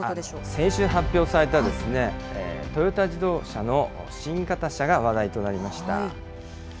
先週発表された、トヨタ自動車の新型車が話題となりました。